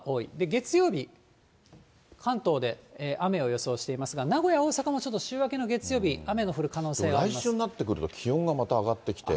月曜日、関東で雨を予想していますが、名古屋、大阪もちょっと週明けの月曜日、来週になってくると、気温がまた上がってきて。